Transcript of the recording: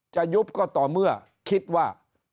ยุบก็ต่อเมื่อคิดว่า